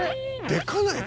でかない？